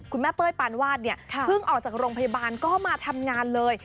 เป้ยปานวาดเนี่ยเพิ่งออกจากโรงพยาบาลก็มาทำงานเลย